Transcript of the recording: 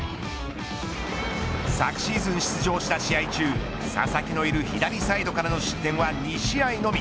昨シーズン出場した試合中佐々木のいる左サイドからの失点は２試合のみ。